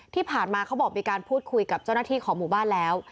เขาบอกมีการพูดคุยกับเจ้าหน้าที่ของหมู่บ้านแล้ว